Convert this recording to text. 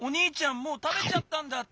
もうたべちゃったんだって。